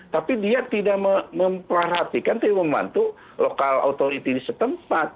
tapi dia tidak memperhatikan tapi membantu local authority di setempat